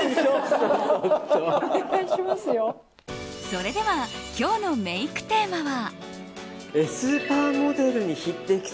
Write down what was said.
それでは今日のメイクテーマは？